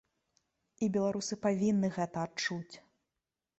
І беларусы павінны гэта адчуць.